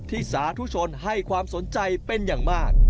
สาธุชนให้ความสนใจเป็นอย่างมาก